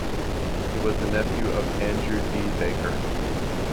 He was the nephew of Andrew D. Baker.